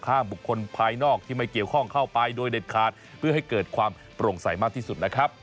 บุคคลภายนอกที่ไม่เกี่ยวข้องเข้าไปโดยเด็ดขาดเพื่อให้เกิดความโปร่งใสมากที่สุดนะครับ